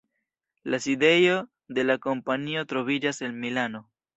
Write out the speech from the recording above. La sidejo de la kompanio troviĝas en Milano.